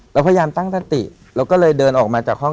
เราพยายามตั้งสติแล้วก็เลยเดินออกมาจากห้อง